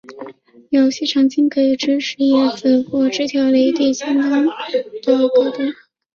有细长茎可以支持叶子或枝条离地面相当的高度。